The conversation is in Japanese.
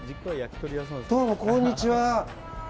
どうも、こんにちは。